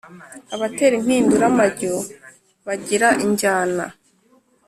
Abatera impinduramajyo bagira injyana